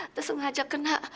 itu sengaja kena